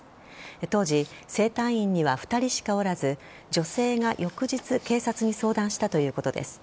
当時、整体院には２人しかおらず女性が翌日警察に相談したということです。